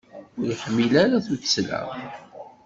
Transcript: Ur iḥmil ara tuttla.